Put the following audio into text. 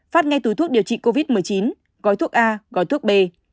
phát ngay từ thuốc điều trị covid một mươi chín gói thuốc a gói thuốc b